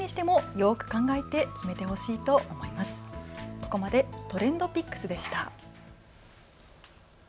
ここまでＴｒｅｎｄＰｉｃｋｓでした。